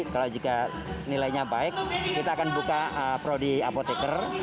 kalau jika nilainya baik kita akan buka prodi apoteker